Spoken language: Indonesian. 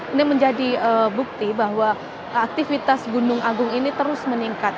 ini menjadi bukti bahwa aktivitas gunung agung ini terus meningkat